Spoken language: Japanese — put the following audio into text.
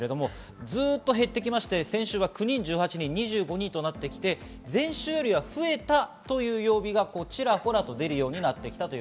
ずっと減ってきて先週は９人中、８人、２５人となって、前週よりは増えたという曜日がちらほら出るようになってきました。